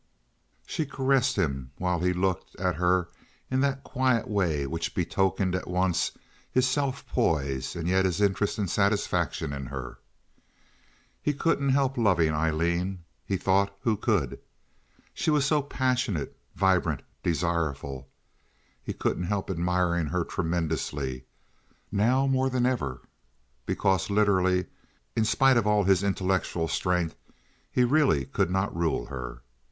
She caressed him while he looked at her in that quiet way which betokened at once his self poise and yet his interest and satisfaction in her. He couldn't help loving Aileen, he thought who could? She was so passionate, vibrant, desireful. He couldn't help admiring her tremendously, now more than ever, because literally, in spite of all his intellectual strength, he really could not rule her.